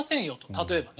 例えばね。